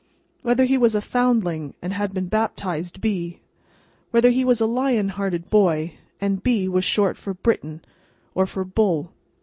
Whether he was a foundling, and had been baptized B. Whether he was a lion hearted boy, and B. was short for Briton, or for Bull.